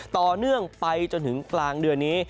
ต่อเนื่องไปจนถึงกลางเดือนนี้